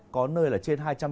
có nơi là trên tầng